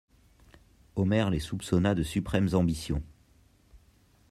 Omer les soupçonna de suprêmes ambitions.